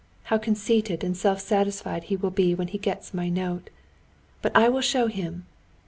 How conceited and self satisfied he will be when he gets my note! But I will show him....